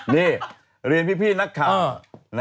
นี่เรียนพี่นักข่าว